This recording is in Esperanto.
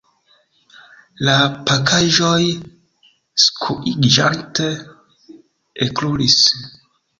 La pakaĵoj skuiĝante ekrulis.